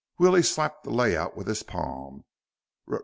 Willie slapped the layout with his palm.